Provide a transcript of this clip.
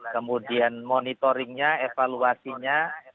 kemudian monitoringnya evaluasinya